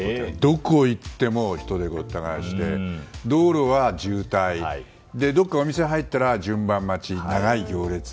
どこへ行っても人でごった返して道路は渋滞どっかお店に入ったら順番待ち、長い行列。